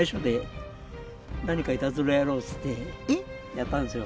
やったんですよ。